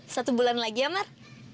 satu bulan lagi ya mar